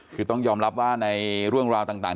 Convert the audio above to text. คือต้องยอมรับว่าในเรื่องราวต่าง